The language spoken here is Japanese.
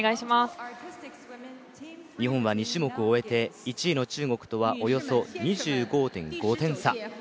日本は２種目を終えて１位の中国とはおよそ２５．５点差。